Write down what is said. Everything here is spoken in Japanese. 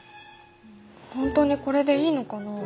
本当にこれでいいのかな？